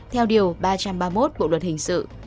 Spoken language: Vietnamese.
theo điều ba trăm ba mươi một bộ luật hình sự